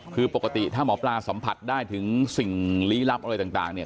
คือปกติถ้าหมอปลาสัมผัสได้ถึงสิ่งลี้ลับอะไรต่างเนี่ย